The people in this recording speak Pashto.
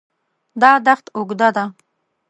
دا دښت اوږده ده.